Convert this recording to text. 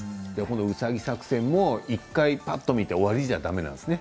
ウサギ作戦も、１回見て終わりじゃだめなんですね。